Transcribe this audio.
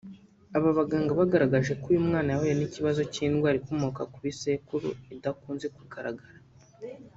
Aba baganga bagaragaje ko uyu mwana yahuye n’ikibazo cy’indwara ikomoka ku bisekuru idakunze kugaragara